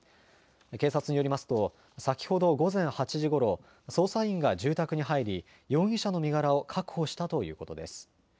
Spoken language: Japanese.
警察によりますと、先ほど午前８時ごろ、捜査員が住宅に入り、容疑者の身柄を確保したということです。